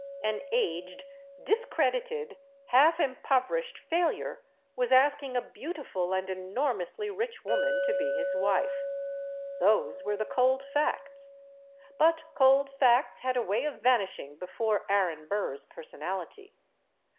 An aged, discredited, half impoverished failure was asking a beautiful and enormously rich woman to be his wife. Those were the cold facts. But cold facts had a way of vanishing before Aaron Burr's person ality.